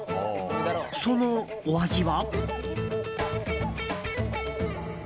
そのお味は？